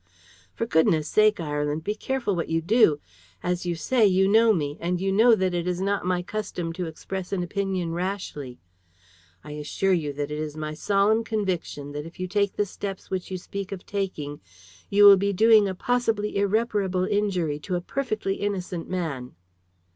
"For goodness' sake, Ireland, be careful what you do. As you say, you know me, and you know that it is not my custom to express an opinion rashly. I assure you that it is my solemn conviction that if you take the steps which you speak of taking, you will be doing a possibly irreparable injury to a perfectly innocent man."